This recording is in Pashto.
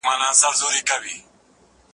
سياست تل خوځنده ځانګړنه لري.